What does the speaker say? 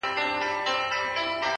o ته مي کله هېره کړې يې؛